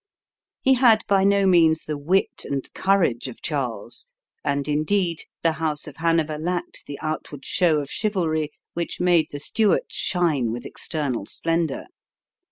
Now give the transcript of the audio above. He had by no means the wit and courage of Charles; and, indeed, the house of Hanover lacked the outward show of chivalry which made the Stuarts shine with external splendor.